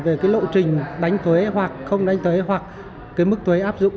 về cái lộ trình đánh thuế hoặc không đánh thuế hoặc cái mức thuế áp dụng